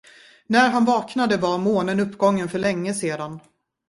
När han vaknade, var månen uppgången för längesedan.